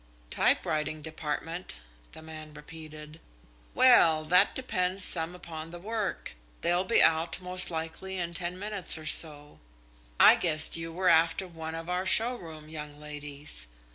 "Typewriting department?" the man repeated. "Well, that depends some upon the work. They'll be out, most likely, in ten minutes or so. I guessed you were after one of our showroom young ladies.